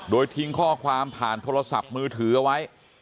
โดยทิ้งข้อความผ่านโทรศัพท์มือถือเอาไว้